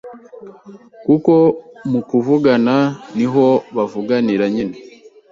kuko mu kuvugana niho bavuganira nyine,